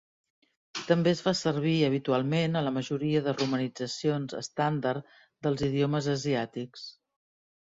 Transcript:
També es fa servir habitualment a la majoria de romanitzacions estàndard del idiomes asiàtics.